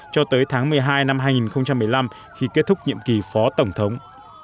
cho tới tháng một mươi hai năm hai nghìn một mươi năm khi kết thúc nhiệm kỳ phó tổng thống